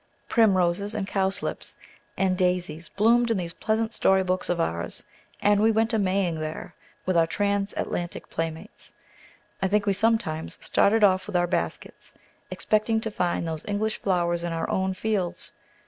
Primroses and cowslips and daisies bloomed in these pleasant story books of ours, and we went a Maying there, with our transatlantic playmates. I think we sometimes started off with our baskets, expecting to find those English flowers in our own fields.